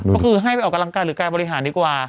ก็คือให้ไปออกกำลังกายหรือการบริหารดีกว่า